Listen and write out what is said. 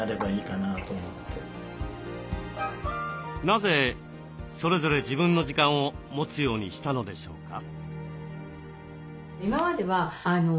なぜそれぞれ自分の時間を持つようにしたのでしょうか？